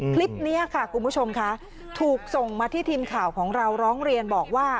คลิปนี้ค่ะคุณผู้ชมค่ะถูกส่งมาที่ทีมข่าวของเราร้องเรียนบอกว่า